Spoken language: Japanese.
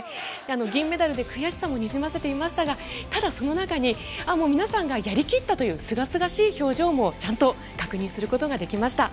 銀メダルで悔しさもにじませていましたがただ、その中に皆さんがやり切ったというすがすがしい表情もちゃんと確認することができました。